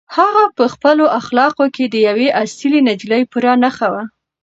هغه په خپلو اخلاقو کې د یوې اصیلې نجلۍ پوره نښه وه.